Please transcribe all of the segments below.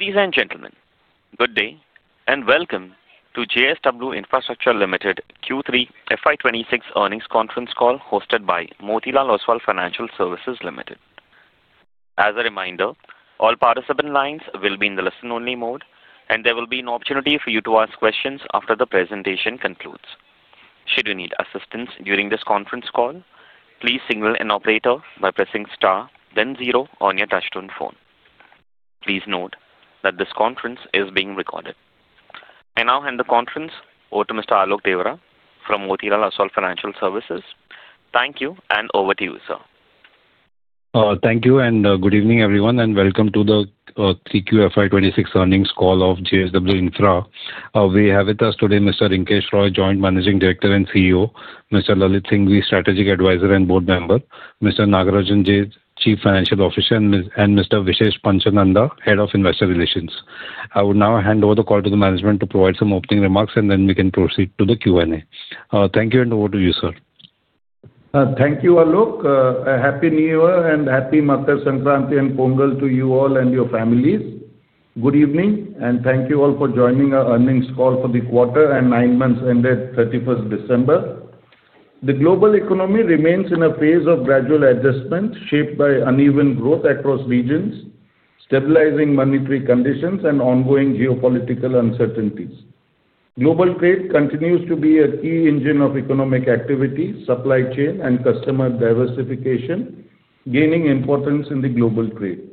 Ladies and gentlemen, good day and welcome to JSW Infrastructure Limited Q3 FY2026 earnings conference call hosted by Motilal Oswal Financial Services Limited. As a reminder, all participant lines will be in the listen-only mode, and there will be an opportunity for you to ask questions after the presentation concludes. Should you need assistance during this conference call, please signal an operator by pressing star, then zero on your touch-tone phone. Please note that this conference is being recorded. I now hand the conference over to Mr. Alok Deora from Motilal Oswal Financial Services. Thank you, and over to you, sir. Thank you, and good evening, everyone, and welcome to the Q3 FY2026 earnings call of JSW Infra. We have with us today Mr. Rinkesh Roy, Joint Managing Director and CEO, Mr. Lalit Singhvi, Strategic Advisor and Board Member, Mr. Nagarajan J., Chief Financial Officer, and Mr. Vishesh Pachnanda, Head of Investor Relations. I will now hand over the call to the management to provide some opening remarks, and then we can proceed to the Q&A. Thank you, and over to you, sir. Thank you, Alok. Happy New Year and Happy Makar Sankranti and Pongal to you all and your families. Good evening, and thank you all for joining our earnings call for the quarter and nine months ended 31st December. The global economy remains in a phase of gradual adjustment shaped by uneven growth across regions, stabilizing monetary conditions, and ongoing geopolitical uncertainties. Global trade continues to be a key engine of economic activity, supply chain, and customer diversification, gaining importance in the global trade.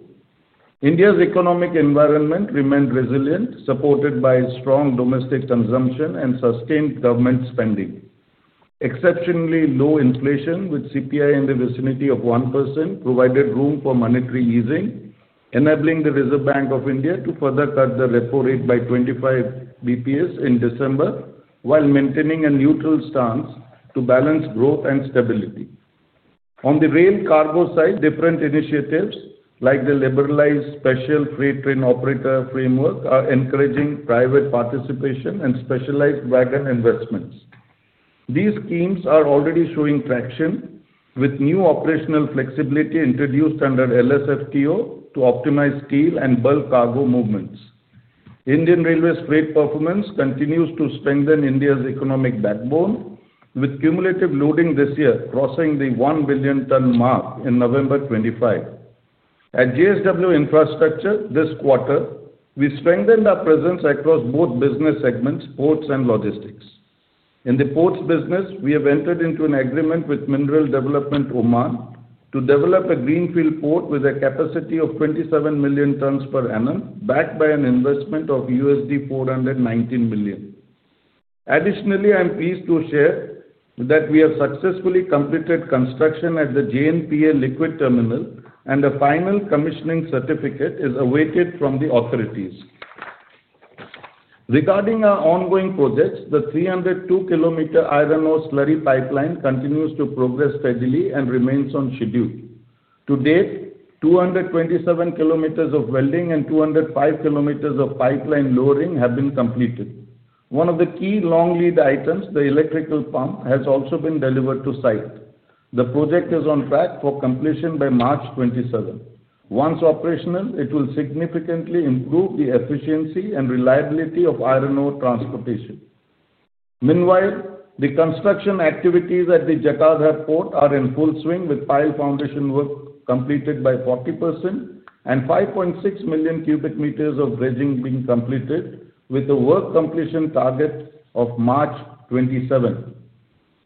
India's economic environment remained resilient, supported by strong domestic consumption and sustained government spending. Exceptionally low inflation, with CPI in the vicinity of 1%, provided room for monetary easing, enabling the Reserve Bank of India to further cut the repo rate by 25 bps in December while maintaining a neutral stance to balance growth and stability. On the rail cargo side, different initiatives like the Liberalized Special Freight Train Operator Framework are encouraging private participation and specialized wagon investments. These schemes are already showing traction, with new operational flexibility introduced under LSFTO to optimize steel and bulk cargo movements. Indian Railways' freight performance continues to strengthen India's economic backbone, with cumulative loading this year crossing the 1 billion ton mark in November 2025. At JSW Infrastructure this quarter, we strengthened our presence across both business segments: ports and logistics. In the ports business, we have entered into an agreement with Mineral Development Oman to develop a greenfield port with a capacity of 27 million tons per annum, backed by an investment of $419 million. Additionally, I'm pleased to share that we have successfully completed construction at the JNPA Liquid Terminal, and a final commissioning certificate is awaited from the authorities. Regarding our ongoing projects, the 302 km iron ore slurry pipeline continues to progress steadily and remains on schedule. To date, 227 km of welding and 205 km of pipeline lowering have been completed. One of the key long lead items, the electrical pump, has also been delivered to site. The project is on track for completion by March 27. Once operational, it will significantly improve the efficiency and reliability of iron ore transportation. Meanwhile, the construction activities at the Jatadhar Port are in full swing, with pile foundation work completed by 40% and 5.6 million cubic meters of dredging being completed, with the work completion target of March 27.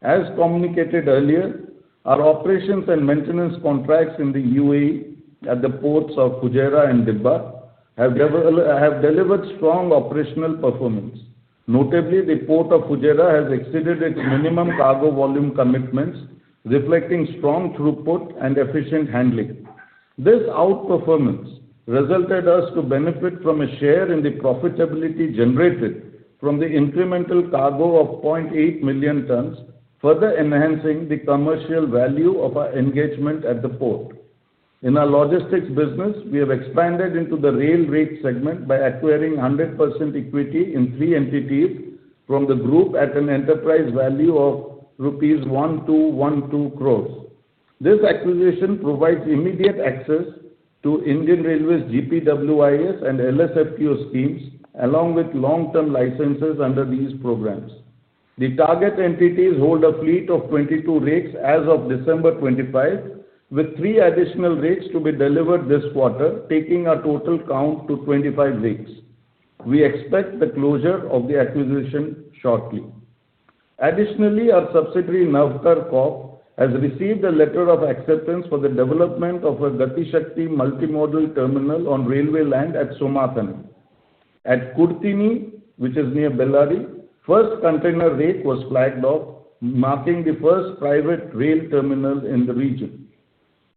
As communicated earlier, our operations and maintenance contracts in the UAE at the ports of Fujairah and Dibba have delivered strong operational performance. Notably, the port of Fujairah has exceeded its minimum cargo volume commitments, reflecting strong throughput and efficient handling. This outperformance resulted us to benefit from a share in the profitability generated from the incremental cargo of 0.8 million tons, further enhancing the commercial value of our engagement at the port. In our logistics business, we have expanded into the rail rake segment by acquiring 100% equity in three entities from the group at an enterprise value of rupees 1,212 crores. This acquisition provides immediate access to Indian Railways' GPWIS and LSFTO schemes, along with long-term licenses under these programs. The target entities hold a fleet of 22 rakes as of December 25, with three additional rakes to be delivered this quarter, taking our total count to 25 rakes. We expect the closure of the acquisition shortly. Additionally, our subsidiary Navkar Corp has received a letter of acceptance for the development of a Gati Shakti Multi-Modal Terminal on railway land at Somalapur at Kudithini, which is near Bellary. First container rake was flagged off, marking the first private rail terminal in the region.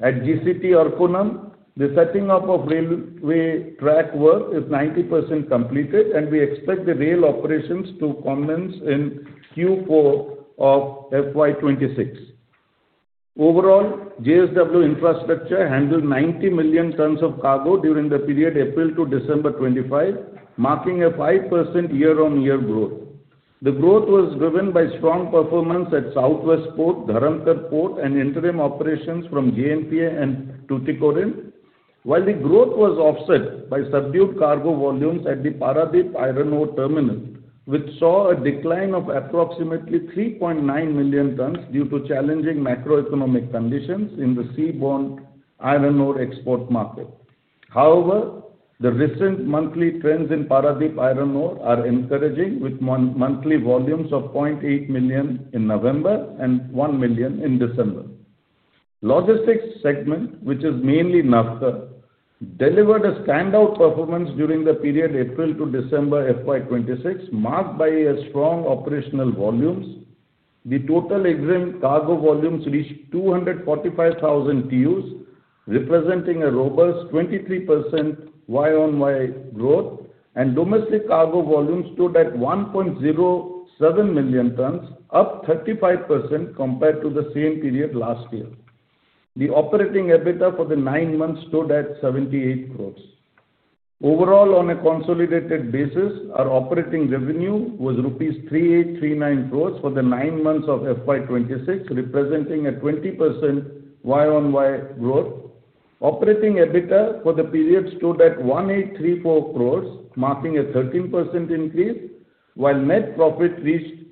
At GCT Arakkonam, the setting up of railway track work is 90% completed, and we expect the rail operations to commence in Q4 of FY2026. Overall, JSW Infrastructure handled 90 million tons of cargo during the period April to December 2025, marking a 5% year-on-year growth. The growth was driven by strong performance at South West Port, Dharamtar Port, and interim operations from JNPA and Tuticorin, while the growth was offset by subdued cargo volumes at the Paradip Iron Ore Terminal, which saw a decline of approximately 3.9 million tons due to challenging macroeconomic conditions in the seaborne iron ore export market. However, the recent monthly trends in Paradip Iron Ore are encouraging, with monthly volumes of 0.8 million in November and 1 million in December. Logistics segment, which is mainly Navkar, delivered a standout performance during the period April to December FY2026, marked by strong operational volumes. The total examined cargo volumes reached 245,000 TEUs, representing a robust 23% Y-on-Y growth, and domestic cargo volumes stood at 1.07 million tons, up 35% compared to the same period last year. The operating EBITDA for the nine months stood at 78 crores. Overall, on a consolidated basis, our operating revenue was 3,839 crores rupees for the nine months of FY2026, representing a 20% Y-on-Y growth. Operating EBITDA for the period stood at 1,834 crores, marking a 13% increase, while net profit reached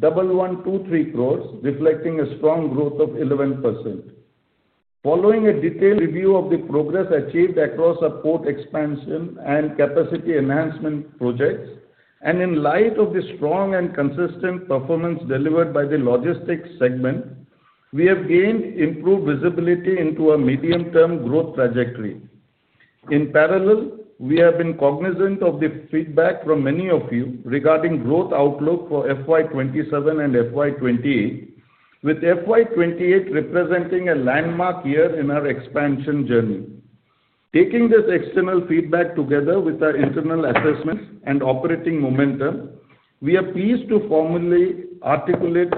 1,123 crores, reflecting a strong growth of 11%. Following a detailed review of the progress achieved across our port expansion and capacity enhancement projects, and in light of the strong and consistent performance delivered by the logistics segment, we have gained improved visibility into our medium-term growth trajectory. In parallel, we have been cognizant of the feedback from many of you regarding growth outlook for FY2027 and FY2028, with FY2028 representing a landmark year in our expansion journey. Taking this external feedback together with our internal assessments and operating momentum, we are pleased to formally articulate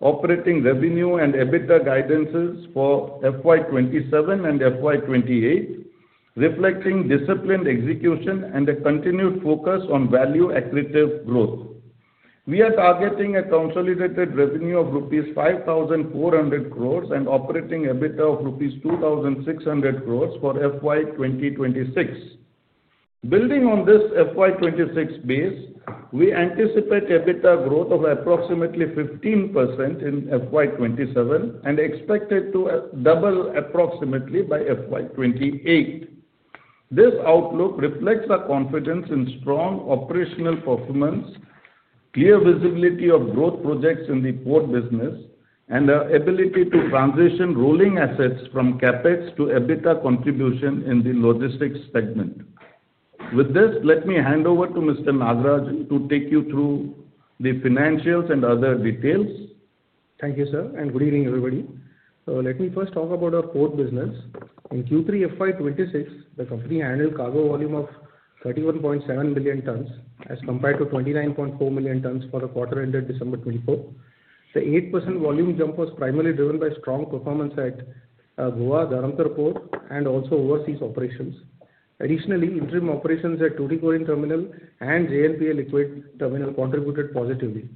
our operating revenue and EBITDA guidances for FY2027 and FY2028, reflecting disciplined execution and a continued focus on value-accretive growth. We are targeting a consolidated revenue of rupees 5,400 crores and operating EBITDA of rupees 2,600 crores for FY2026. Building on this FY2026 base, we anticipate EBITDA growth of approximately 15% in FY2027 and expected to double approximately by FY2028. This outlook reflects our confidence in strong operational performance, clear visibility of growth projects in the port business, and our ability to transition rolling assets from CapEx to EBITDA contribution in the logistics segment. With this, let me hand over to Mr. Nagarajan to take you through the financials and other details. Thank you, sir, and good evening, everybody. So let me first talk about our port business. In Q3 FY2026, the company handled cargo volume of 31.7 million tons as compared to 29.4 million tons for the quarter ended December 24. The 8% volume jump was primarily driven by strong performance at Goa, Dharamtar Port, and also overseas operations. Additionally, interim operations at Tuticorin Terminal and JNPA Liquid Terminal contributed positively.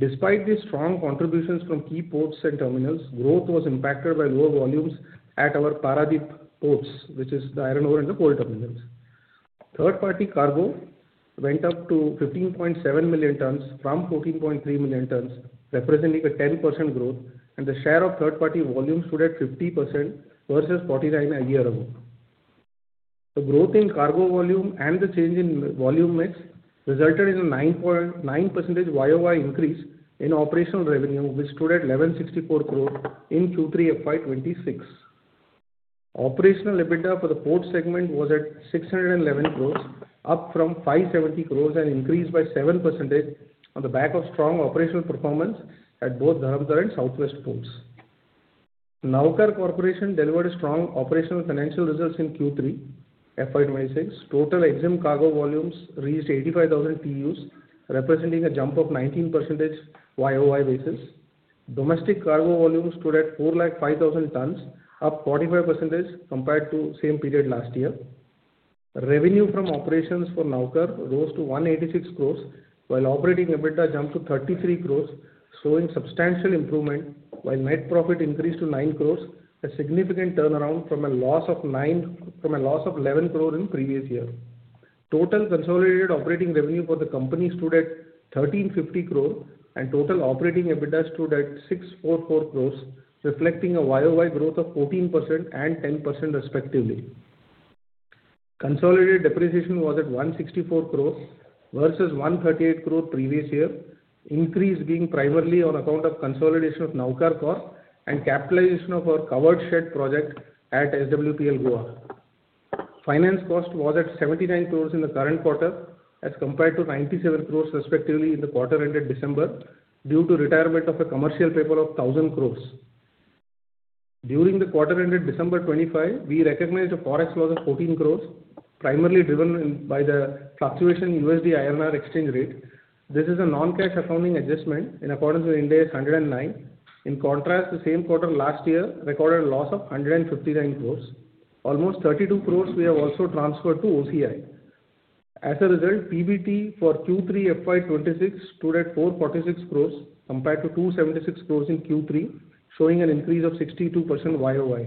Despite these strong contributions from key ports and terminals, growth was impacted by lower volumes at our Paradip ports, which is the iron ore and the coal terminals. Third-party cargo went up to 15.7 million tons from 14.3 million tons, representing a 10% growth, and the share of third-party volume stood at 50% versus 49% a year ago. The growth in cargo volume and the change in volume mix resulted in a 9% Y-on-Y increase in operational revenue, which stood at 1,164 crores in Q3 FY2026. Operational EBITDA for the port segment was at 611 crores, up from 570 crores and increased by 7% on the back of strong operational performance at both Dharamtar and South West Port. Navkar Corporation delivered strong operational financial results in Q3 FY2026. Total examined cargo volumes reached 85,000 TEUs, representing a jump of 19% YOY basis. Domestic cargo volume stood at 405,000 tons, up 45% compared to the same period last year. Revenue from operations for Navkar rose to 186 crores, while operating EBITDA jumped to 33 crores, showing substantial improvement, while net profit increased to 9 crores, a significant turnaround from a loss of 11 crores in the previous year. Total consolidated operating revenue for the company stood at 1,350 crores, and total operating EBITDA stood at 644 crores, reflecting a YOY growth of 14% and 10% respectively. Consolidated depreciation was at 164 crores versus 138 crores previous year, increase being primarily on account of consolidation of Navkar Corp and capitalization of our covered shed project at SWPL Goa. Finance cost was at 79 crores in the current quarter as compared to 97 crores respectively in the quarter ended December due to retirement of a commercial paper of 1,000 crores. During the quarter ended December 25, we recognized a forex loss of 14 crores, primarily driven by the fluctuation in USD INR exchange rate. This is a non-cash accounting adjustment in accordance with Ind AS 109. In contrast, the same quarter last year recorded a loss of 159 crores. Almost 32 crores we have also transferred to OCI. As a result, PBT for Q3 FY2026 stood at 446 crores compared to 276 crores in Q3, showing an increase of 62% YOY.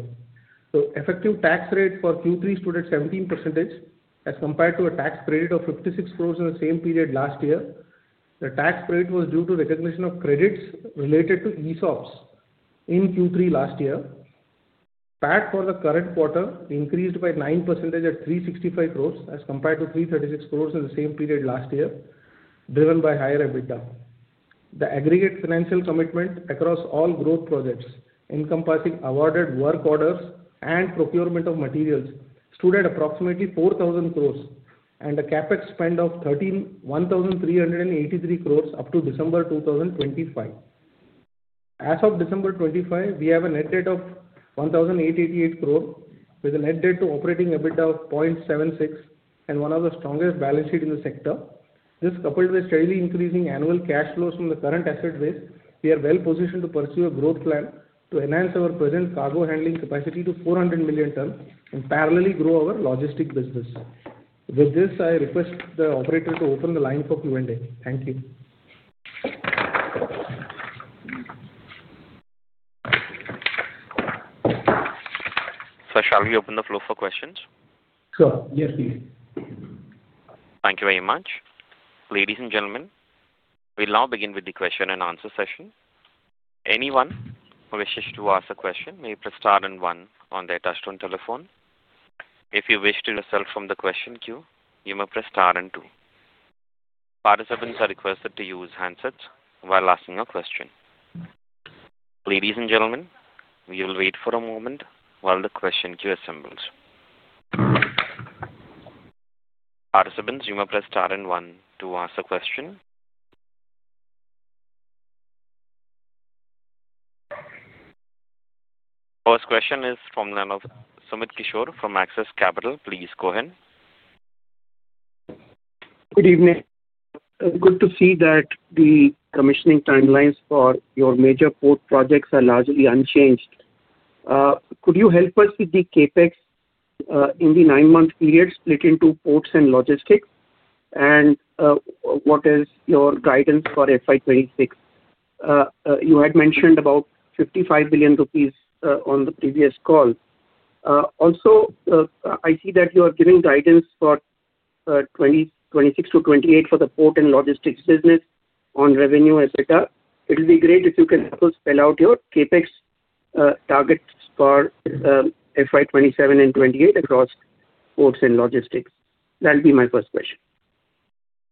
The effective tax rate for Q3 stood at 17% as compared to a tax credit of 56 crores in the same period last year. The tax credit was due to recognition of credits related to ESOPs in Q3 last year. PAT for the current quarter increased by 9% at 365 crores as compared to 336 crores in the same period last year, driven by higher EBITDA. The aggregate financial commitment across all growth projects, encompassing awarded work orders and procurement of materials, stood at approximately 4,000 crores and a CapEx spend of 1,383 crores up to December 2025. As of December 25, we have a net debt of 1,888 crores, with a net debt to operating EBITDA of 0.76 and one of the strongest balance sheets in the sector. This, coupled with steadily increasing annual cash flows from the current asset base. We are well positioned to pursue a growth plan to enhance our present cargo handling capacity to 400 million tons and parallelly grow our logistics business. With this, I request the operator to open the line for Q&A. Thank you. Sir, shall we open the floor for questions? Sure. Yes, please. Thank you very much. Ladies and gentlemen, we'll now begin with the question and answer session. Anyone who wishes to ask a question may press star and one on their touch-tone telephone. If you wish to remove from the question queue, you may press star and two. Participants are requested to use handsets while asking a question. Ladies and gentlemen, we will wait for a moment while the question queue assembles. Participants, you may press star and one to ask a question. First question is from Sumit Kishore from Axis Capital. Please go ahead. Good evening. Good to see that the commissioning timelines for your major port projects are largely unchanged. Could you help us with the CapEx in the nine-month period split into ports and logistics? And what is your guidance for FY2026? You had mentioned about 55 billion rupees on the previous call. Also, I see that you are giving guidance for 2026 to 2028 for the port and logistics business on revenue EBITDA. It will be great if you can also spell out your CapEx targets for FY2027 and 2028 across ports and logistics. That will be my first question.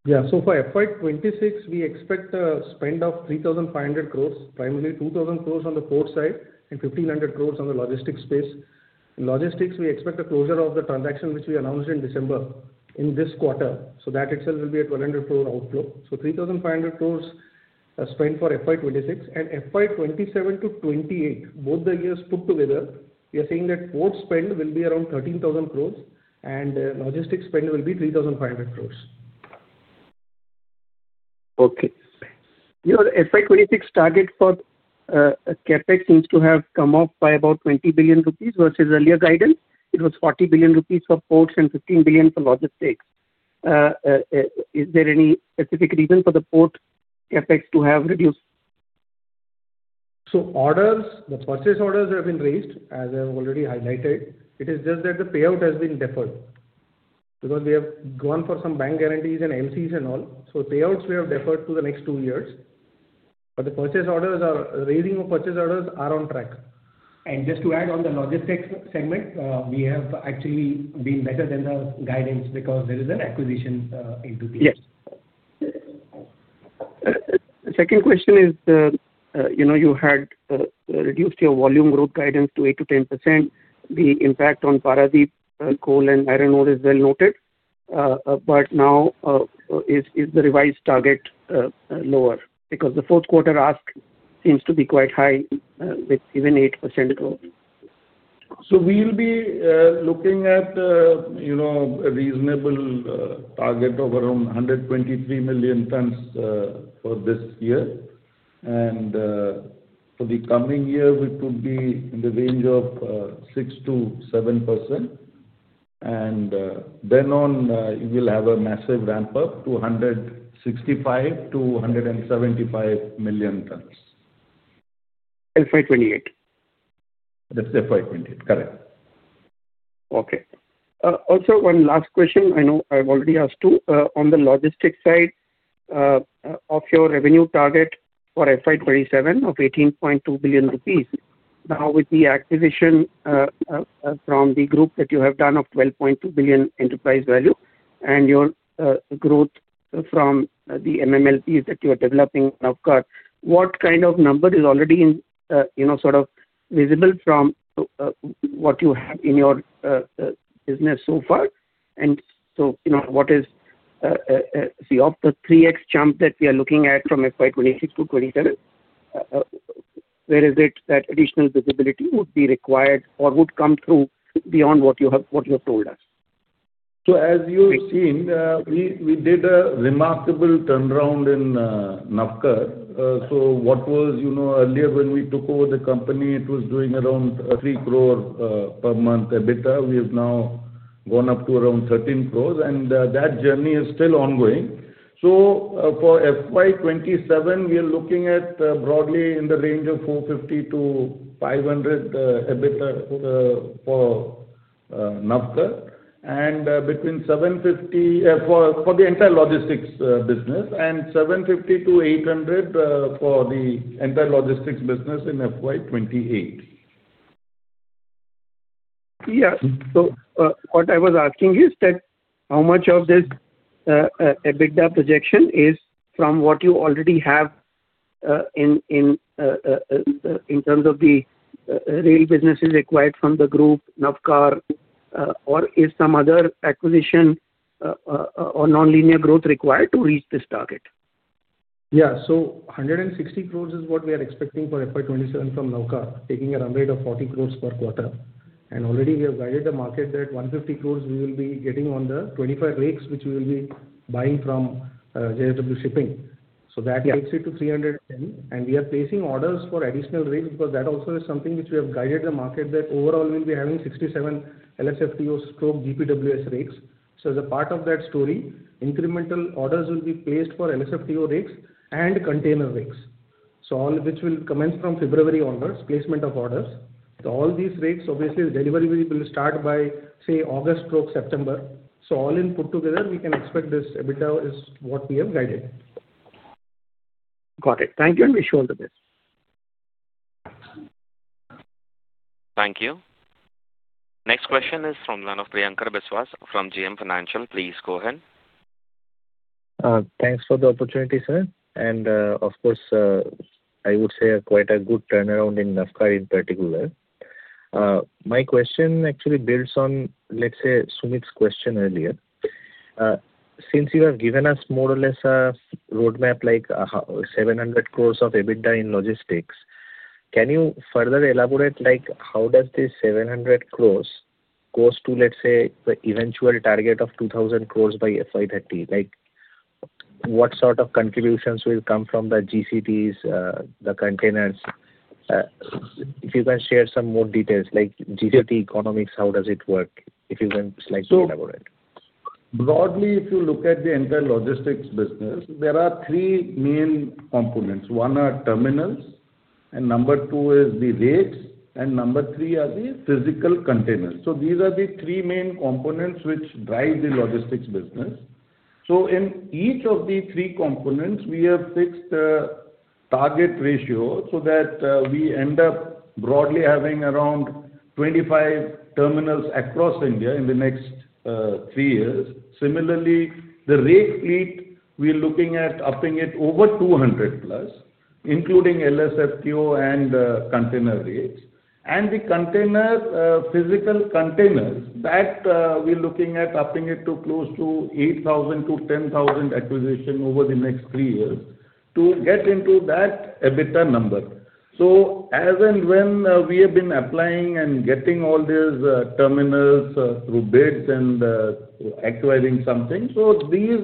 Yeah. So for FY2026, we expect a spend of 3,500 crores, primarily 2,000 crores on the port side and 1,500 crores on the logistics space. In logistics, we expect a closure of the transaction which we announced in December in this quarter. So that itself will be a 1,200 crore outflow. So 3,500 crores spent for FY2026. And FY2027 to 2028, both the years put together, we are saying that port spend will be around 13,000 crores and logistics spend will be 3,500 crores. Okay. Your FY2026 target for CapEx seems to have come off by about 20 billion rupees versus earlier guidance. It was 40 billion rupees for ports and 15 billion for logistics. Is there any specific reason for the port CapEx to have reduced? Orders, the purchase orders have been raised, as I have already highlighted. It is just that the payout has been deferred because we have gone for some bank guarantees and LCs and all. Payouts we have deferred to the next two years. The raising of purchase orders is on track. Just to add on the logistics segment, we have actually been better than the guidance because there is an acquisition in place. Yes. Second question is you had reduced your volume growth guidance to 8%-10%. The impact on Paradip coal and iron ore is well noted. But now, is the revised target lower? Because the fourth quarter ask seems to be quite high with even 8% growth. So we will be looking at a reasonable target of around 123 million tons for this year. And for the coming year, we could be in the range of 6%-7%. And then on, we will have a massive ramp up to 165-175 million tons. FY2028? That's FY2028. Correct. Okay. Also, one last question. I know I've already asked you. On the logistics side of your revenue target for FY2027 of 18.2 billion rupees, now with the acquisition from the group that you have done of 12.2 billion enterprise value and your growth from the MMLPs that you are developing in Navkar, what kind of number is already sort of visible from what you have in your business so far? And so what is the 3x jump that we are looking at from FY2026 to 2027? Where is it that additional visibility would be required or would come through beyond what you have told us? As you've seen, we did a remarkable turnaround in Navkar. What was earlier when we took over the company, it was doing around 23 crores per month EBITDA. We have now gone up to around 13 crores. That journey is still ongoing. For FY2027, we are looking at broadly in the range of 450-500 EBITDA for Navkar and between 750 for the entire logistics business and 750-800 for the entire logistics business in FY2028. Yes. So what I was asking is that how much of this EBITDA projection is from what you already have in terms of the rail businesses acquired from the group, Navkar, or is some other acquisition or non-linear growth required to reach this target? Yeah. So 160 crores is what we are expecting for FY2027 from Navkar, taking a run rate of 40 crores per quarter. And already, we have guided the market that 150 crores we will be getting on the 25 rakes, which we will be buying from JSW Shipping. So that takes it to 310. And we are placing orders for additional rakes because that also is something which we have guided the market that overall we will be having 67 LSFTO/GPWIS rakes. So as a part of that story, incremental orders will be placed for LSFTO rakes and container rakes. So all of which will commence from February onwards, placement of orders. So all these rakes, obviously, the delivery will start by, say, August/September. So all in put together, we can expect this EBITDA is what we have guided. Got it. Thank you, Kishore, for this. Thank you. Next question is from Priyankar Biswas from JM Financial. Please go ahead. Thanks for the opportunity, sir, and of course, I would say quite a good turnaround in Navkar in particular. My question actually builds on, let's say, Sumit's question earlier. Since you have given us more or less a roadmap like 700 crores of EBITDA in logistics, can you further elaborate how does this 700 crores go to, let's say, the eventual target of 2,000 crores by FY2030? What sort of contributions will come from the GCTs, the containers? If you can share some more details, like GCT economics, how does it work? If you can slightly elaborate. So broadly, if you look at the entire logistics business, there are three main components. One are terminals, and number two is the rakes, and number three are the physical containers. So these are the three main components which drive the logistics business. So in each of the three components, we have fixed the target ratio so that we end up broadly having around 25 terminals across India in the next three years. Similarly, the rake fleet, we are looking at upping it over 200 plus, including LSFTO and container rakes. And the container physical containers, that we are looking at upping it to close to 8,000-10,000 acquisition over the next three years to get into that EBITDA number. So, as and when we have been applying and getting all these terminals through bids and acquiring something, so these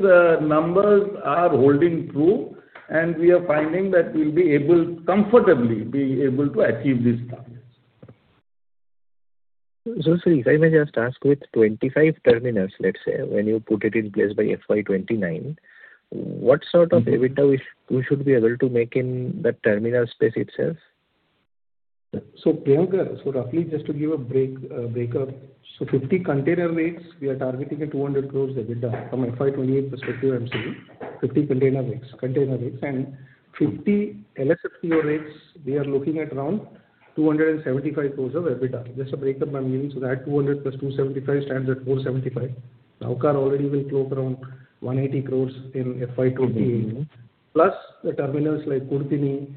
numbers are holding true, and we are finding that we'll be able to comfortably achieve these targets. Sir, if I may just ask, with 25 terminals, let's say, when you put it in place by FY2029, what sort of EBITDA should we be able to make in that terminal space itself? Priyanka, roughly just to give a breakup, 50 container rakes, we are targeting 200 crores EBITDA from FY2028 perspective, I'm saying. 50 container rakes. And 50 LSFTO rakes, we are looking at around 275 crores of EBITDA. Just a breakup, I'm giving. So that 200 + 275 stands at 475. Navkar already will close around 180 crores in FY2028. Plus the terminals like Kudithini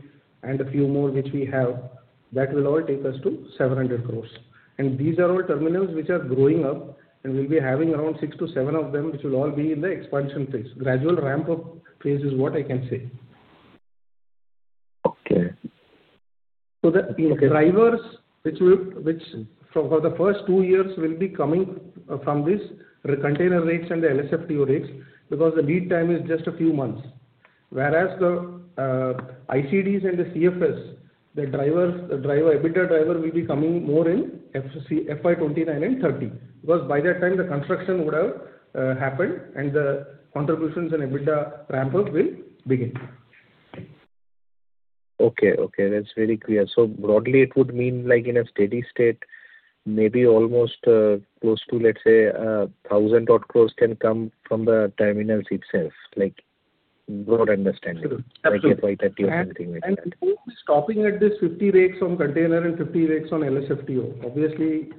and a few more which we have, that will all take us to 700 crores. And these are all terminals which are growing up, and we'll be having around six to seven of them, which will all be in the expansion phase. Gradual ramp-up phase is what I can say. Okay. So the drivers, which for the first two years will be coming from these container rakes and the LSFTO rakes because the lead time is just a few months. Whereas the ICDs and the CFS, the driver, EBITDA driver will be coming more in FY2029 and 2030 because by that time, the construction would have happened, and the contributions and EBITDA ramp-up will begin. Okay. Okay. That's very clear. So broadly, it would mean like in a steady state, maybe almost close to, let's say, 1,000 crores can come from the terminals itself, like broad understanding. Like FY2030 or something like that. Stopping at this 50 rakes on container and 50 rakes on LSFTO. Obviously,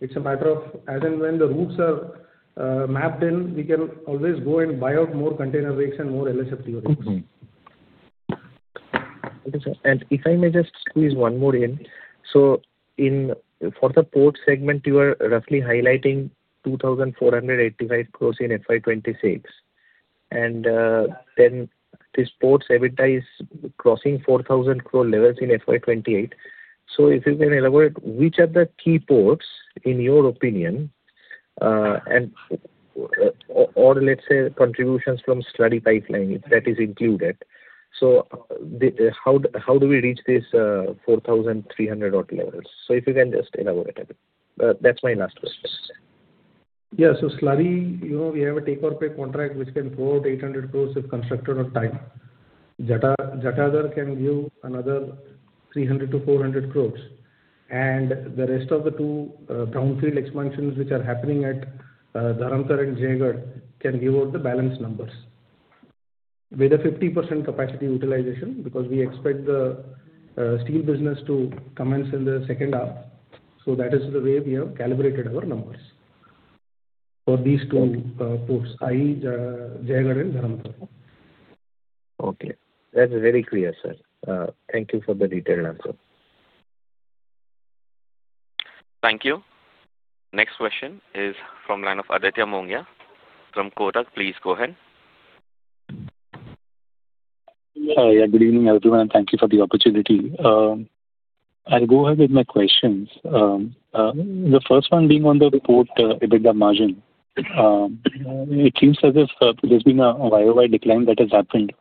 it's a matter of as and when the routes are mapped in, we can always go and buy out more container rakes and more LSFTO rakes. Okay, sir. And if I may just squeeze one more in. So for the port segment, you are roughly highlighting 2,485 crores in FY2026. And then this port's EBITDA is crossing 4,000 crore levels in FY2028. So if you can elaborate, which are the key ports, in your opinion, or let's say contributions from slurry pipeline, if that is included? So how do we reach these 4,300 levels? So if you can just elaborate a bit. That's my last question. Yeah. So slurry, we have a take-or-pay contract which can go out 800 crores if construction on time. Jaigarh can give another 300 to 400 crores. And the rest of the two brownfield expansions which are happening at Dharamtar and Jaigarh can give out the balance numbers with a 50% capacity utilization because we expect the steel business to commence in the second half. So that is the way we have calibrated our numbers for these two ports, i.e., Jaigarh and Dharamtar. Okay. That's very clear, sir. Thank you for the detailed answer. Thank you. Next question is from Aditya Mongia from Kotak. Please go ahead. Yeah. Good evening, everyone. And thank you for the opportunity. I'll go ahead with my questions. The first one being on the port EBITDA margin. It seems as if there's been a wide decline that has happened.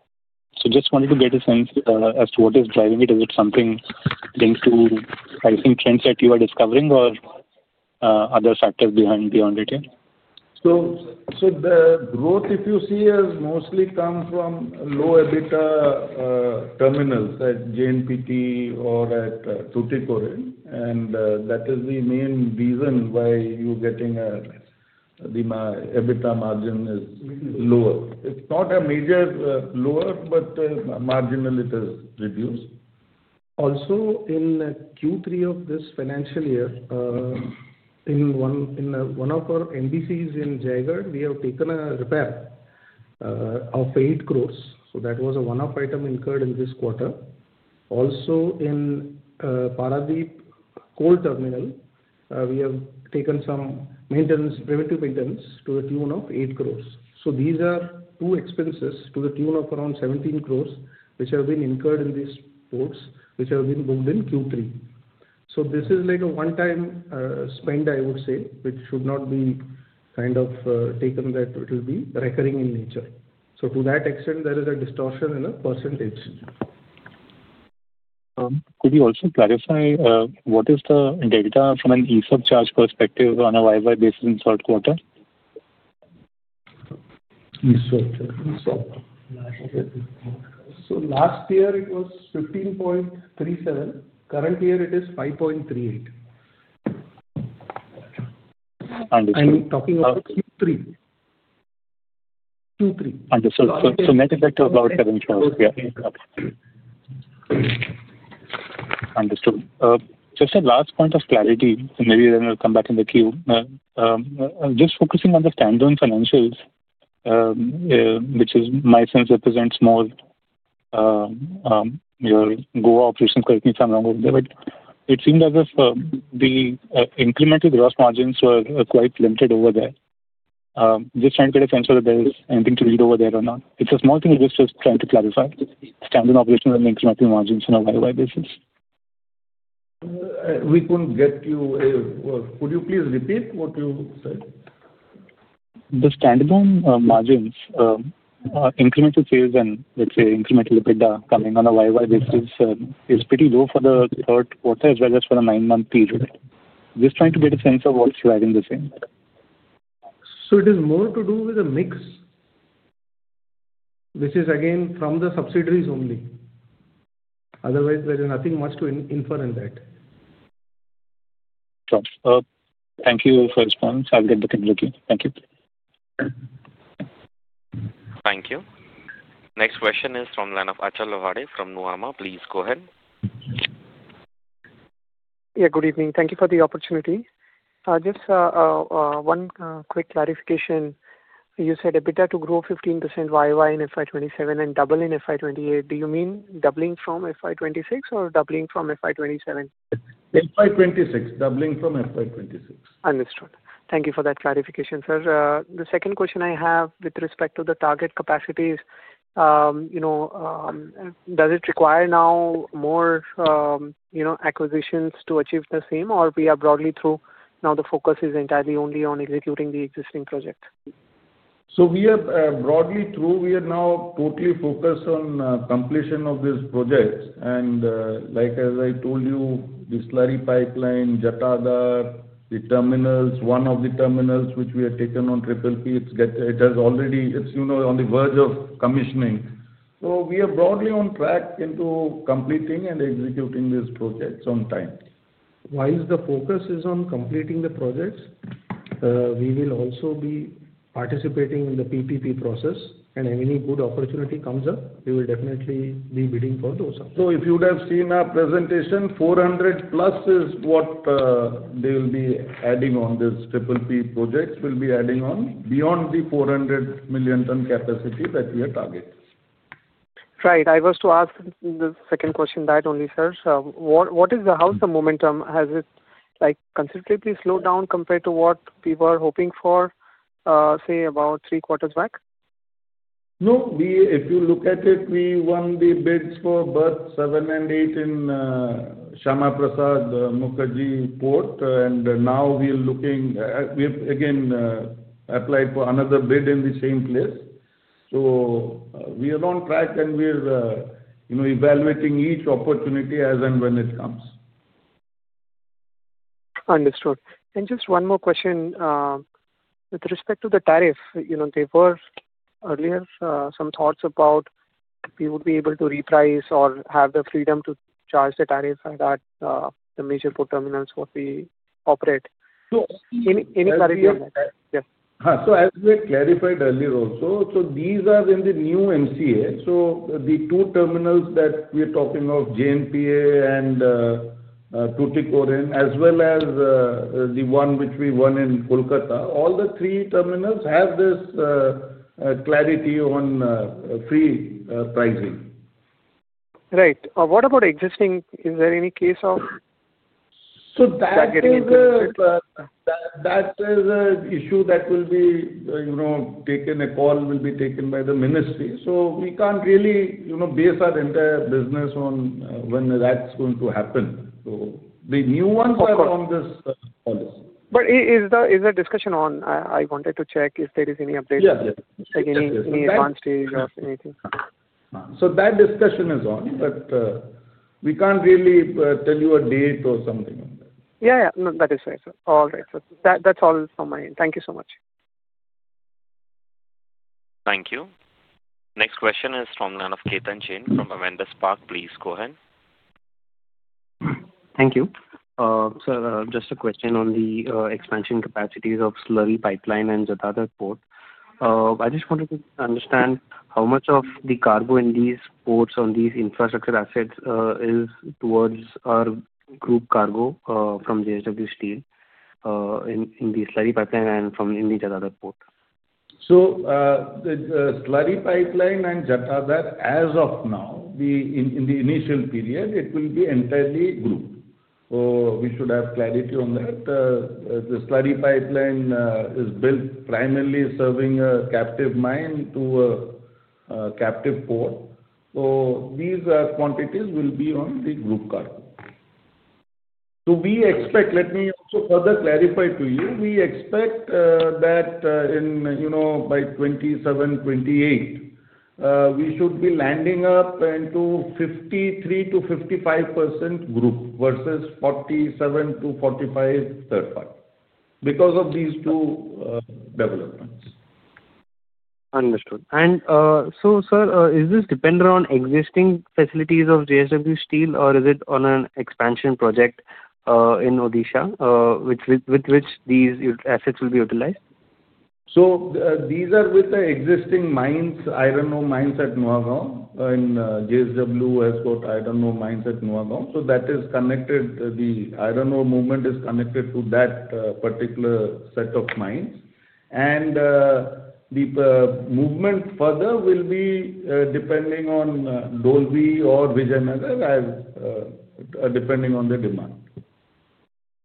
So just wanted to get a sense as to what is driving it. Is it something linked to, I think, trends that you are discovering or other factors behind it? So the growth, if you see, has mostly come from low EBITDA terminals at JNPT or at Tuticorin. And that is the main reason why you're getting the EBITDA margin is lower. It's not a major lower, but marginally it has reduced. Also, in Q3 of this financial year, in one of our MBCs in Jaigarh, we have taken a repair of 8 crores. So that was a one-off item incurred in this quarter. Also, in Paradip Coal Terminal, we have taken some maintenance, preventive maintenance to the tune of 8 crores. So these are two expenses to the tune of around 17 crores which have been incurred in these ports which have been booked in Q3. So this is like a one-time spend, I would say, which should not be kind of taken that it will be recurring in nature. So to that extent, there is a distortion in the percentage. Could you also clarify what is the EBITDA from a JSW charge perspective on a like-like basis in third quarter? JSW. So last year, it was 15.37. Current year, it is 5.38. Understood. I'm talking about Q3. Q3. Understood. So net effect of about INR 7 crore. Yeah. Understood. Just a last point of clarity, and maybe then we'll come back in the queue. Just focusing on the standalone financials, which is my sense represents more your Goa operations. Correct me if I'm wrong over there. But it seemed as if the incremental gross margins were quite limited over there. Just trying to get a sense whether there is anything to read over there or not. It's a small thing we're just trying to clarify. Standalone operations and incremental margins on a year-over-year basis. We couldn't get you. Could you please repeat what you said? The standalone margins, incremental sales and, let's say, incremental EBITDA coming on a wide-wide basis is pretty low for the third quarter as well as for the nine-month period. Just trying to get a sense of what's driving the sale. So it is more to do with a mix, which is, again, from the subsidiaries only. Otherwise, there is nothing much to infer in that. Thank you for your response. I'll get back in with you. Thank you. Thank you. Next question is from Achal Lohade from Nuvama. Please go ahead. Yeah. Good evening. Thank you for the opportunity. Just one quick clarification. You said EBITDA to grow 15% YOY in FY2027 and double in FY2028. Do you mean doubling from FY2026 or doubling from FY2027? FY2026. Doubling from FY2026. Understood. Thank you for that clarification, sir. The second question I have with respect to the target capacity is, does it require now more acquisitions to achieve the same, or we are broadly through now the focus is entirely only on executing the existing project? So we are broadly through. We are now totally focused on completion of this project. And like as I told you, the slurry pipeline, Jatadhar, the terminals, one of the terminals which we have taken on PPP, it has already, it's on the verge of commissioning. So we are broadly on track into completing and executing these projects on time. While the focus is on completing the projects, we will also be participating in the PPP process. And if any good opportunity comes up, we will definitely be bidding for those as well. So if you would have seen our presentation, 400 plus is what they will be adding on this PPP projects, will be adding on beyond the 400-million-ton capacity that we have targeted. Right. I was to ask the second question, that only, sir. How has the momentum? Has it considerably slowed down compared to what we were hoping for, say, about three quarters back? No. If you look at it, we won the bids for berth 7 and 8 in Syama Prasad Mookerjee Port. And now we are looking again, applied for another bid in the same place. We are on track, and we are evaluating each opportunity as and when it comes. Understood. And just one more question. With respect to the tariff, there were earlier some thoughts about we would be able to reprice or have the freedom to charge the tariff at the major port terminals where we operate. Any clarity on that? As we clarified earlier also, so these are in the new MCA. The two terminals that we are talking of, JNPA and Tuticorin, as well as the one which we won in Kolkata, all the three terminals have this clarity on free pricing. Right. What about existing? Is there any case of that getting into? That is an issue that a call will be taken by the ministry, so we can't really base our entire business on when that's going to happen, so the new ones are on this policy. But is the discussion on? I wanted to check if there is any update. Yeah. Yeah. Any advance stage or anything? So that discussion is on, but we can't really tell you a date or something on that. Yeah. Yeah. That is fair, sir. All right. That's all from my end. Thank you so much. Thank you. Next question is from Lalit Ketan Jain from Kala Darshan. Please go ahead. Thank you. So just a question on the expansion capacities of slurry pipeline and Jatadhar Port. I just wanted to understand how much of the cargo in these ports on these infrastructure assets is towards our group cargo from JSW Steel in the slurry pipeline and from in the Jatadhar Port? The slurry pipeline and Jatadhar, as of now, in the initial period, it will be entirely group. We should have clarity on that. The slurry pipeline is built primarily serving a captive mine to a captive port. These quantities will be on the group cargo. We expect, let me also further clarify to you. We expect that by 2027, 2028, we should be landing up into 53%-55% group versus 47%-45% third party because of these two developments. Understood. And so, sir, is this dependent on existing facilities of JSW Steel, or is it on an expansion project in Odisha with which these assets will be utilized? So these are with the existing mines, iron ore mines at Nuagaon. And JSW has got iron ore mines at Nuagaon. So that is connected. The iron ore movement is connected to that particular set of mines. And the movement further will be depending on Dolvi or Vijayanagar, depending on the demand.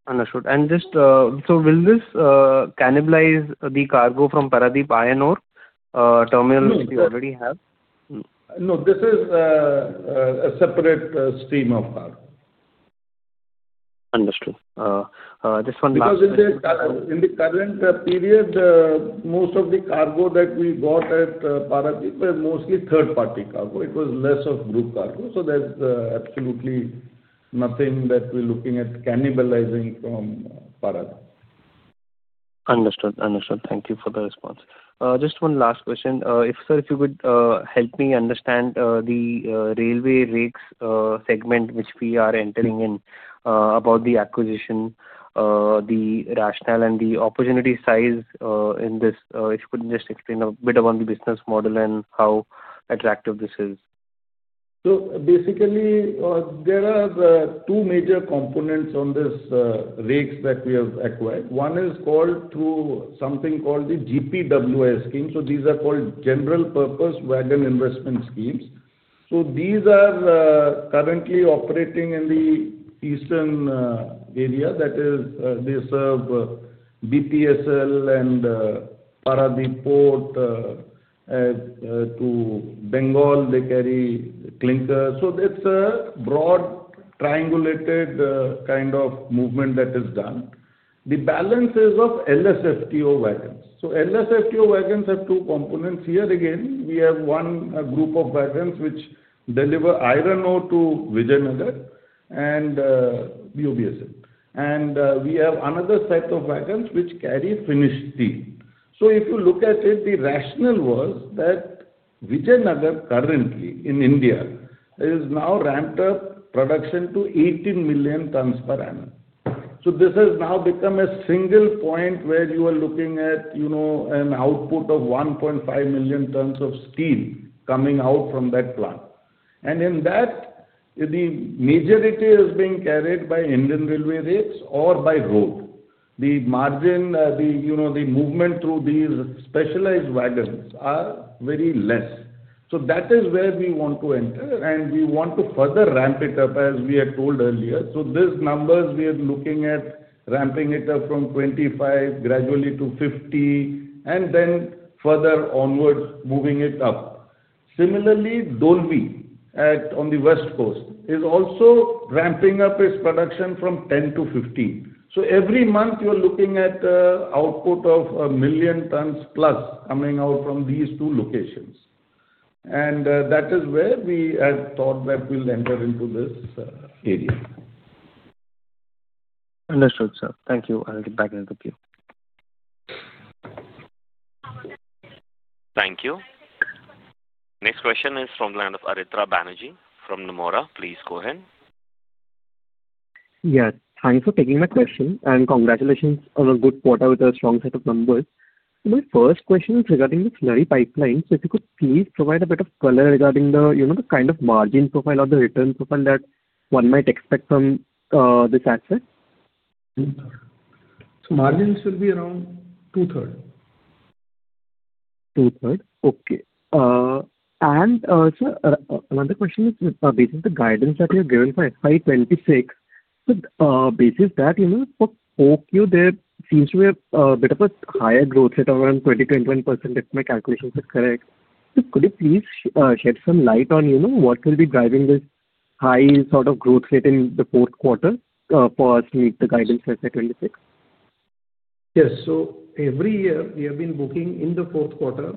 Understood. And just so will this cannibalize the cargo from Paradip Iron Ore Terminal which we already have? No. This is a separate stream of cargo. Understood. Just one last question. Because in the current period, most of the cargo that we got at Paradip was mostly third-party cargo. It was less of group cargo. So there's absolutely nothing that we're looking at cannibalizing from Paradip. Understood. Understood. Thank you for the response. Just one last question. If, sir, if you could help me understand the railway rakes segment which we are entering in about the acquisition, the rationale, and the opportunity size in this, if you could just explain a bit about the business model and how attractive this is. Basically, there are two major components in these rakes that we have acquired. One is called through something called the GPWIS scheme. These are called General Purpose Wagon Investment Schemes. These are currently operating in the eastern area. That is, they serve BPSL and Paradip Port to Bengal. They carry clinker. It's a broad triangulated kind of movement that is done. The balance is of LSFTO wagons. LSFTO wagons have two components here. Again, we have one group of wagons which deliver iron ore to Vijayanagar and BPSL. And we have another set of wagons which carry finished steel. If you look at it, the rationale was that Vijayanagar currently in India is now ramped up production to 18 million tons per annum. This has now become a single point where you are looking at an output of 1.5 million tons of steel coming out from that plant. And in that, the majority is being carried by Indian Railways rakes or by road. The margin, the movement through these specialized wagons are very less. That is where we want to enter. And we want to further ramp it up as we had told earlier. These numbers, we are looking at ramping it up from 25 gradually to 50, and then further onwards moving it up. Similarly, Dolvi on the west coast is also ramping up its production from 10 to 15. Every month, you are looking at output of a million tons plus coming out from these two locations. And that is where we had thought that we'll enter into this area. Understood, sir. Thank you. I'll get back in with you. Thank you. Next question is from Aritra Banerjee from Nomura. Please go ahead. Yes. Thanks for taking my question, and congratulations on a good quarter with a strong set of numbers. My first question is regarding the slurry pipeline, so if you could please provide a bit of color regarding the kind of margin profile or the return profile that one might expect from this asset. Margins will be around two-thirds. Two-thirds. Okay. And another question is based on the guidance that you have given for FY2026, so basically that for 4Q, there seems to be a bit of a higher growth rate around 20%-21% if my calculations are correct. So could you please shed some light on what will be driving this high sort of growth rate in the fourth quarter for us to meet the guidance for FY2026? Yes. So every year, we have been booking in the fourth quarter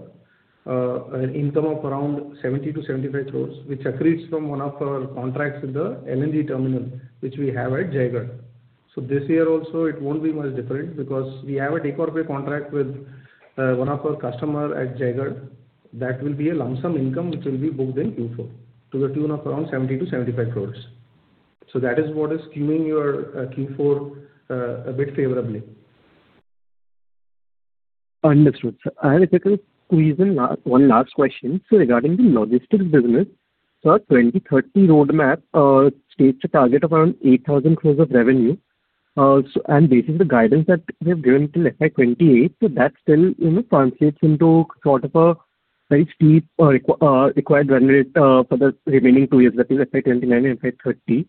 an income of around 70-IND 75 crores, which accretes from one of our contracts in the LNG terminal, which we have at Jaigarh. So this year also, it won't be much different because we have a take-or-pay contract with one of our customers at Jaigarh. That will be a lump sum income which will be booked in Q4 to a tune of around 70-75 crores. So that is what is skewing your Q4 a bit favorably. Understood, sir. I have a quick question, one last question. So regarding the logistics business, so our 2030 roadmap states a target of around 8,000 crores of revenue. And basically, the guidance that we have given until FY2028, so that still translates into sort of a very steep required revenue for the remaining two years, that is FY2029 and FY2030.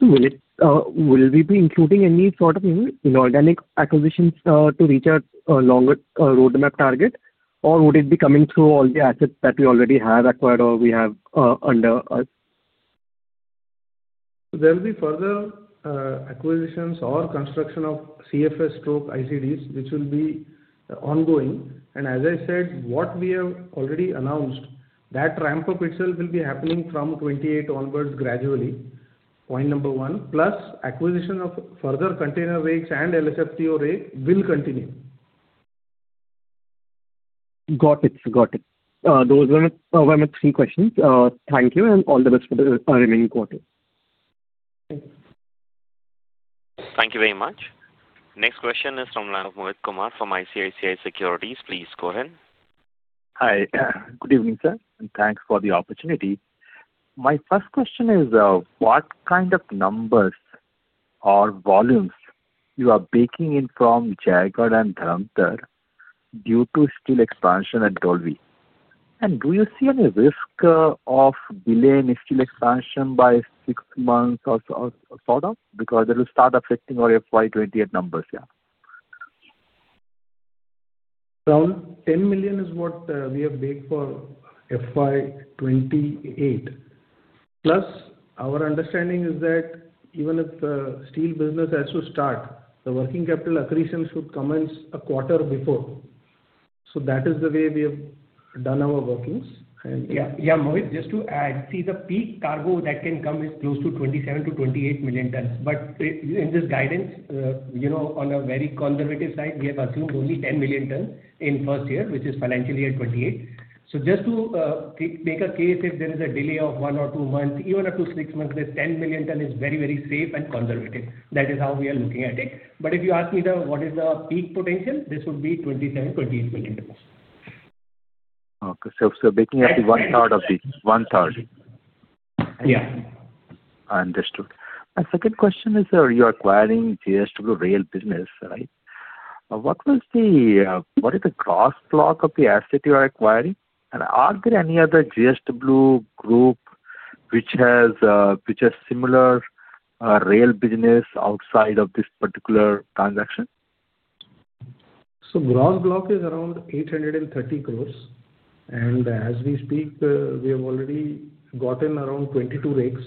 So will we be including any sort of inorganic acquisitions to reach a longer roadmap target, or would it be coming through all the assets that we already have acquired or we have under us? There will be further acquisitions or construction of CFS/ ICDs, which will be ongoing. And as I said, what we have already announced, that ramp-up itself will be happening from 2028 onwards gradually, point number one, plus acquisition of further container rakes and LSFTO rakes will continue. Got it. Got it. Those were my three questions. Thank you. And all the best for the remaining quarter. Thank you. Thank you very much. Next question is from Mohit Kumar from ICICI Securities. Please go ahead. Hi. Good evening, sir, and thanks for the opportunity. My first question is what kind of numbers or volumes you are baking in from Jaigarh and Dharamtar due to steel expansion at Dolvi, and do you see any risk of delaying steel expansion by six months or so on because that will start affecting our FY2028 numbers? Around 10 million is what we have baked for FY2028. Plus, our understanding is that even if the steel business has to start, the working capital accretion should commence a quarter before. So that is the way we have done our workings. And. Yeah. Mohit, just to add, see, the peak cargo that can come is close to 27-28 million tons. But in this guidance, on a very conservative side, we have assumed only 10 million tons in first year, which is financially at 28. So just to make a case, if there is a delay of one or two months, even up to six months, then 10 million tons is very, very safe and conservative. That is how we are looking at it. But if you ask me what is the peak potential, this would be 27-28 million tons. Okay. Baking at the one-third of these. One-third. Yeah. Understood. My second question is, you're acquiring JSW Rail Business, right? What is the crosswalk of the asset you are acquiring? And are there any other JSW Group which has similar rail business outside of this particular transaction? Gross block is around 830 crores. And as we speak, we have already gotten around 22 rigs.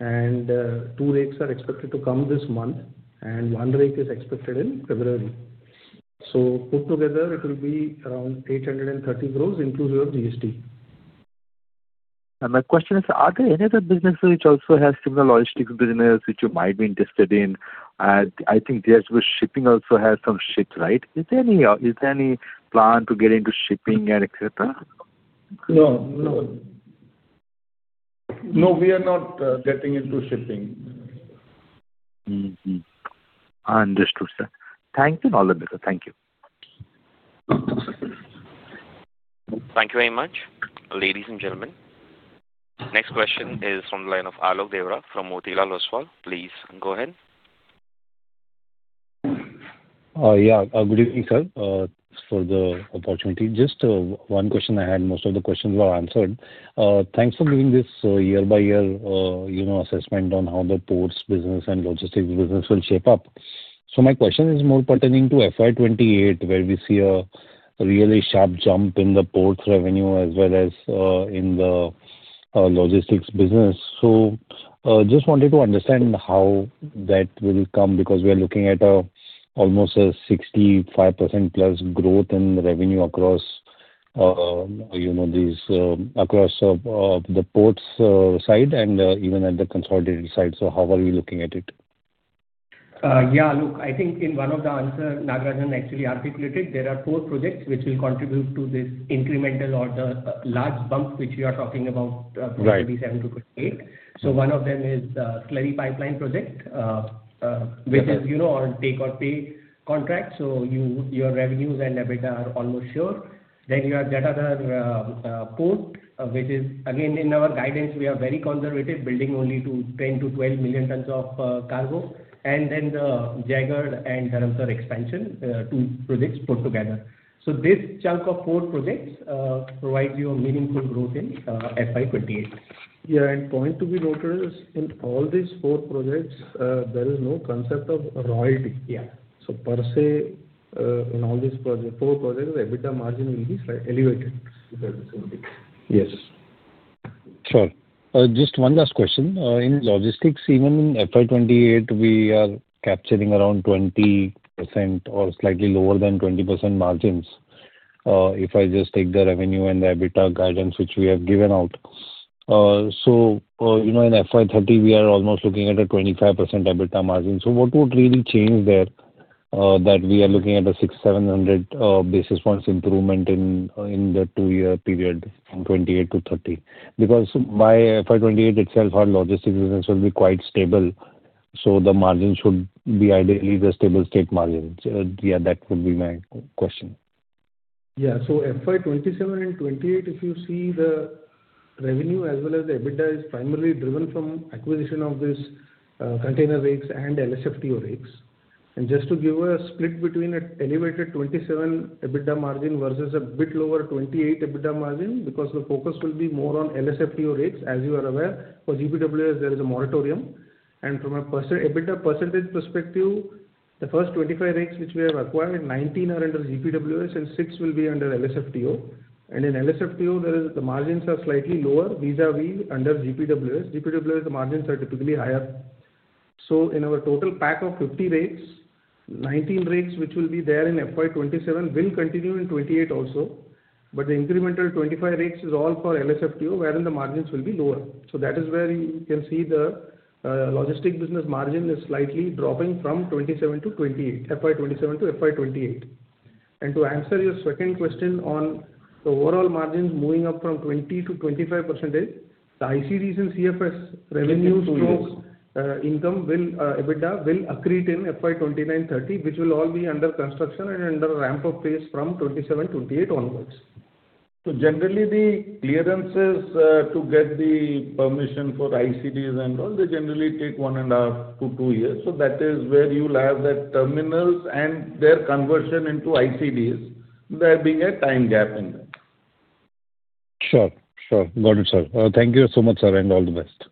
And two rigs are expected to come this month, and one rig is expected in February. So put together, it will be around 830 crores inclusive of GST. And my question is, are there any other businesses which also have similar logistics business which you might be interested in? I think JSW Shipping also has some ships, right? Is there any plan to get into shipping and etc.? No. No. No. We are not getting into shipping. Understood, sir. Thank you and all the best. Thank you. Thank you very much, ladies and gentlemen. Next question is from Alok Deora from Motilal Oswal. Please go ahead. Yeah. Good evening, sir, for the opportunity. Just one question I had. Most of the questions were answered. Thanks for giving this year-by-year assessment on how the ports business and logistics business will shape up. So my question is more pertaining to FY2028, where we see a really sharp jump in the ports revenue as well as in the logistics business. So just wanted to understand how that will come because we are looking at almost a 65%+ growth in revenue across the ports side and even at the consolidated side. So how are you looking at it? Yeah. Look, I think in one of the answers, Nagarajan actually articulated there are four projects which will contribute to this incremental or the large bump which you are talking about from 2027 to 2028. So one of them is the slurry pipeline project, which is on take-or-pay contract. So your revenues and EBITDA are almost sure. Then you have that other port, which is again, in our guidance, we are very conservative, building only to 10-12 million tons of cargo. And then the Jaigarh and Dharamtar expansion, two projects put together. So this chunk of four projects provides you a meaningful growth in FY2028. Yeah. And point to be noted is in all these four projects, there is no concept of royalty. So per se, in all these four projects, the EBITDA margin will be elevated. Yes. Sure. Just one last question. In logistics, even in FY2028, we are capturing around 20% or slightly lower than 20% margins if I just take the revenue and the EBITDA guidance which we have given out. So in FY2030, we are almost looking at a 25% EBITDA margin. So what would really change there that we are looking at a 6,700 basis points improvement in the two-year period from 2028 to 2030? Because by FY2028 itself, our logistics business will be quite stable. So the margin should be ideally the stable state margin. Yeah, that would be my question. Yeah. So FY2027 and 2028, if you see the revenue as well as the EBITDA is primarily driven from acquisition of these container rakes and LSFTO rakes, and just to give a split between an elevated 2027 EBITDA margin versus a bit lower 2028 EBITDA margin because the focus will be more on LSFTO rakes. As you are aware, for GPWIS, there is a moratorium, and from a percentage perspective, the first 25 rakes which we have acquired, 19 are under GPWIS and 6 will be under LSFTO, and in LSFTO, the margins are slightly lower. These are under GPWIS. GPWIS, the margins are typically higher, so in our total pack of 50 rakes, 19 rakes which will be there in FY2027 will continue in 2028 also, but the incremental 25 rakes is all for LSFTO, wherein the margins will be lower. That is where you can see the logistics business margin is slightly dropping from 27% to 28%, FY2027 to FY2028. To answer your second question on the overall margins moving up from 20% to 25%, the ICDs and CFS revenue slash income will EBITDA accrete in FY2029-2030, which will all be under construction and under ramp-up phase from 2027, 2028 onwards. Generally, the clearances to get the permission for ICDs and all, they generally take one and a half to two years. That is where you'll have that terminals and their conversion into ICDs. There being a time gap in them. Sure. Sure. Got it, sir. Thank you so much, sir, and all the best. Thank you,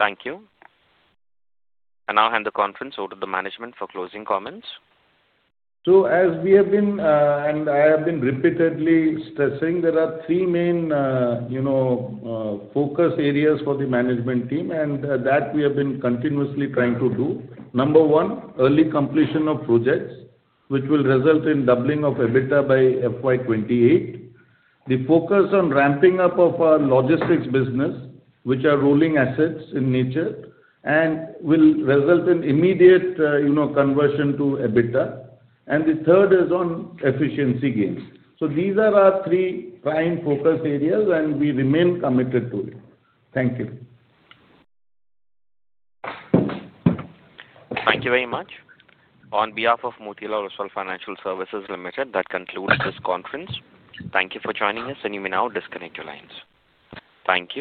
and I'll hand the conference over to the management for closing comments. As we have been, and I have been repeatedly stressing, there are three main focus areas for the management team, and that we have been continuously trying to do. Number one, early completion of projects, which will result in doubling of EBITDA by FY 2028. The focus on ramping up of our logistics business, which are rolling assets in nature, and will result in immediate conversion to EBITDA. And the third is on efficiency gains. These are our three prime focus areas, and we remain committed to it. Thank you. Thank you very much. On behalf of Motilal Oswal Financial Services Limited, that concludes this conference. Thank you for joining us, and you may now disconnect your lines. Thank you.